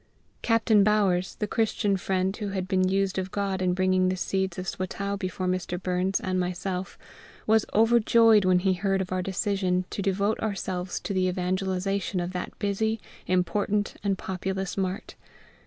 Captain Bowers, the Christian friend who had been used of GOD in bringing the needs of Swatow before Mr. Burns and myself, was overjoyed when he heard of our decision to devote ourselves to the evangelisation of that busy, important, and populous mart.